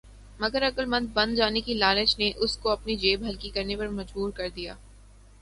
مگر عقل مند بن جانے کی لالچ نے اس کو اپنی جیب ہلکی کرنے پر مجبور کر دیا۔